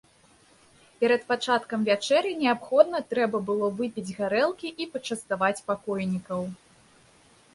Перад пачаткам вячэры неабходна трэба было выпіць гарэлкі і пачаставаць пакойнікаў.